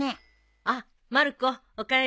あっまる子おかえり。